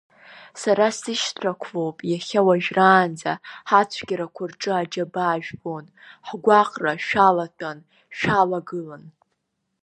Сара сышьҭрақәлом, иахьа уажәраанӡа ҳацәгьарақәа рҿы аџьабаа жәбон, ҳгәаҟра шәалатәан-шәалагылан.